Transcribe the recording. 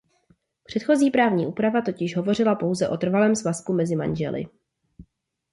Předchozí právní úprava totiž hovořila pouze o trvalém svazku „mezi manžely“.